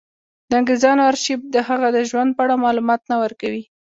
د انګرېزانو ارشیف د هغه د ژوند په اړه معلومات نه ورکوي.